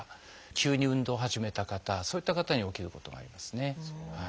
急に運動を始めた方そういった方に起きることがありますね。